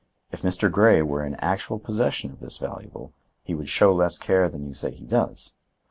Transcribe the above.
If Mr. Grey were in actual possession of this valuable, he would show less care than you say he does.